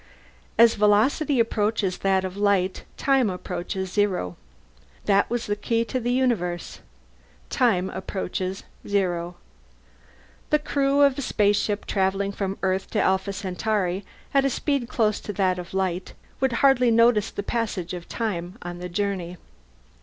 As velocity approaches that of light, time approaches zero. That was the key to the universe. Time approaches zero. The crew of a spaceship travelling from Earth to Alpha Centauri at a speed close to that of light would hardly notice the passage of time on the journey.